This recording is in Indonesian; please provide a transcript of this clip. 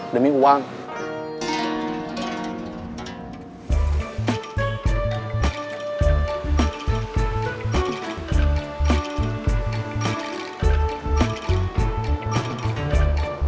sekarang jadi tempat saling tikam satu sama lain